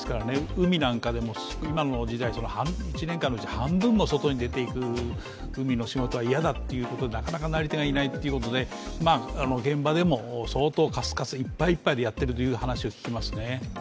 海なんかでも今の時代、１年間のうち半分も外に出て行く海の仕事は嫌だということで、なかなかなり手がいないということで現場でも相当いっぱいいっぱいでやってるという話を聞きますね。